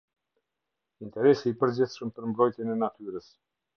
Interesi i përgjithshëm për mbrojtjen e natyrës.